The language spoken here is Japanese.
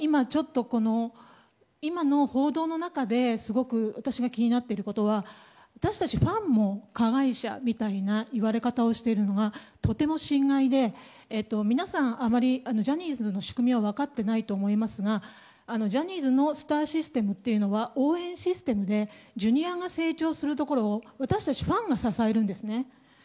今の報道の中で私が気になっていることは私たちファンも加害者みたいな言われ方をしているのがとても心外で皆さんあまりジャニーズの仕組みを分かっていないと思いますがジャニーズのスターシステムというのは応援システムでＪｒ．が成長するところを私たちファンが支えるんですね。